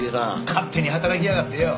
勝手に働きやがってよ。